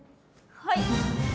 はい！